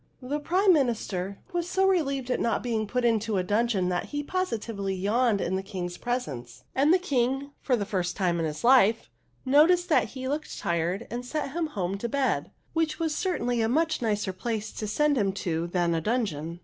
" The Prime Minister was so relieved at not being put into a dungeon that he positively yawned in the King's presence ; and the King, for the first time in his life, noticed that he looked tired and sent him home to bed, which was certainly a much nicer place to send him to than a dungeon.